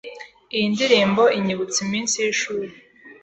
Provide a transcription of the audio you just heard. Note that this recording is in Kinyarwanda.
Iyi ndirimbo inyibutsa iminsi yishuri.